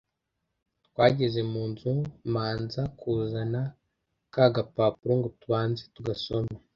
twageze munzu manza kuzana ka gapapuro ngo tubanze tugasome